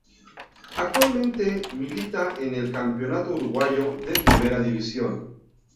Actualmente milita en el Campeonato Uruguayo de Primera División.